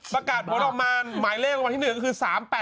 ประกาศรวดออกมาหมายเลขวันที่๑คือ๓๘๗๐๐๖